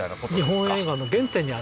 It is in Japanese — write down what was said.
日本映画の原点にあたる部分。